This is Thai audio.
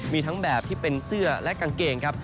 มีทั้งแบบที่เป็นเสื้อและกางเกงครับ